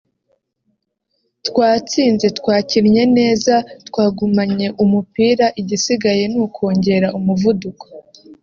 twatsinze twakinnye neza twagumanye umupira igisigaye ni ukongera umuvuduko